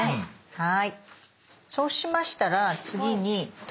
はい。